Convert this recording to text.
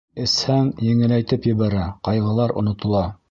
Эсһәң, еңеләйтеп ебәрә, ҡайғылар онотола!